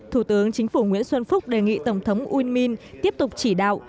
thủ tướng chính phủ nguyễn xuân phúc đề nghị tổng thống uyên minh tiếp tục chỉ đạo